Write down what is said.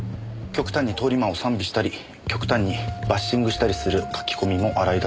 極端に通り魔を賛美したり極端にバッシングしたりする書き込みも洗い出されてますね。